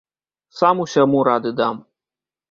Сам усяму рады дам!